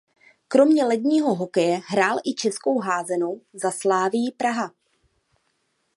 Kromě ledního hokeje hrál i českou házenou za Slavii Praha.